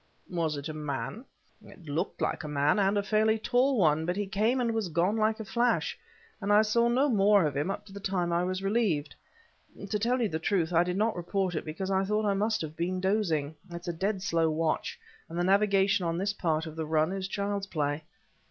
"Was it a man?" "It looked like a man, and a fairly tall one, but he came and was gone like a flash, and I saw no more of him up to the time I was relieved. To tell you the truth, I did not report it because I thought I must have been dozing; it's a dead slow watch, and the navigation on this part of the run is child's play."